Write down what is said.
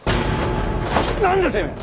なんだてめえ！